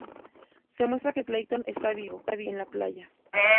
Se muestra que Clayton está vivo, en la playa.